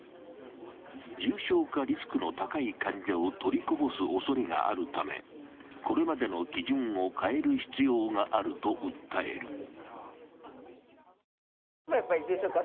重症化リスクの高い患者を取りこぼすおそれがあるため、これまでの基準を変える必要があると訴える。